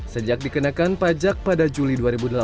sejak dikenakan pajak pada juli dua ribu delapan belas